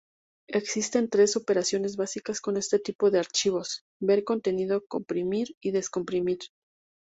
Existen tres operaciones básicas con este tipo de archivos: ver contenido, comprimir y descomprimir.